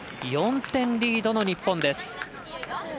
４点リードの日本です。